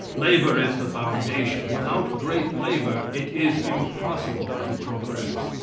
Labor is the foundation. Without great labor it is impossible to progress.